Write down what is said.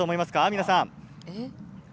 皆さん。